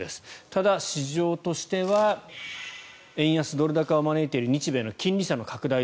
ただ、市場としては円安・ドル高を招いている日米の金利差の拡大